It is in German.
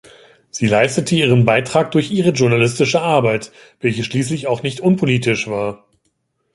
Sie leistete ihren Beitrag durch ihre journalistische Arbeit, welche schließlich auch nicht unpolitisch war.